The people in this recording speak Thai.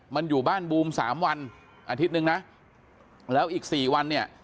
มันอยู่บ้านบูม๓วันอาทิตย์หนึ่งนะแล้วอีก๔วันเนี่ย